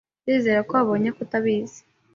Ndizera ko wabonye ko utabizi.